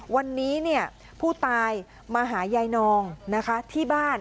วันนี้ผู้ตายมาหายายนองนะคะที่บ้าน